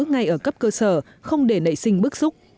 ngay ở cấp cơ sở không để nảy sinh bước xúc